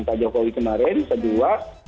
pak jokowi kemarin kedua